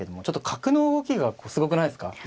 ちょっと角の動きがすごくないですか。